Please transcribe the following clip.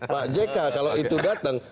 pak jk kalau itu datang